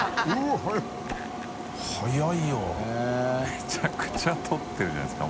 めちゃくちゃ撮ってるじゃないですか